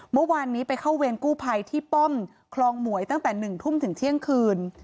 เมื่อวานนี้ไปเข้าเวรกู้ภัยที่ป้อมคลองหมวยตั้งแต่๑ทุ่มถึงเที่ยงคืน